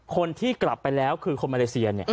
คนที่กลับไปแล้วคือคนมาเลเซีย